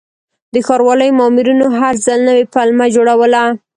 د ښاروالۍ مامورینو هر ځل نوې پلمه جوړوله.